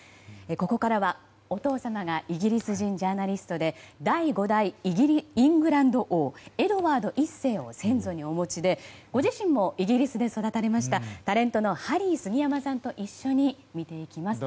ここからはお父様がイギリス人ジャーナリストで第５代イングランド王エドワード１世を先祖にお持ちでご自身もイギリスで育たれましたタレントのハリー杉山さんと一緒に見ていきます。